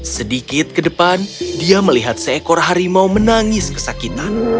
sedikit ke depan dia melihat seekor harimau menangis kesakitan